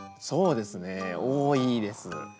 そうですね多いです。